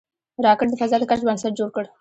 راکټ د فضا د کشف بنسټ جوړ کړ